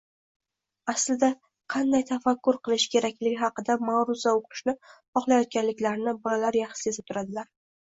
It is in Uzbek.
aslida qanday tafakkur qilish kerakligi haqida maʼruza o‘qishni xohlayotganliklarini bolalar yaxshi sezib turadilar.